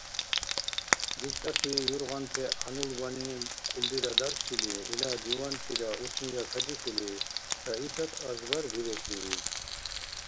ДиштӀати «юргъанти-гӀянулбани» хъулрира даршили, ила «дивантира» «утнира» кадихьили, Раисат азбар биресрииб: